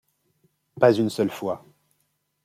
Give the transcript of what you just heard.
Pas une seule fois.